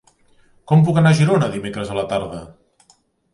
Com puc anar a Girona dimecres a la tarda?